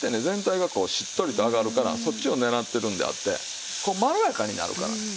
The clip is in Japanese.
全体がこうしっとりと上がるからそっちを狙ってるんであってこうまろやかになるから。